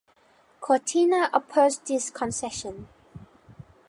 Cortina opposed this concession.